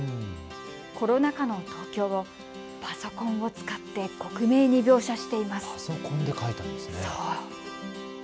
コロナ禍の東京をパソコンを使って刻銘に描写しています。